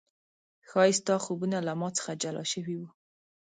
ښايي ستا خوبونه له ما څخه جلا شوي و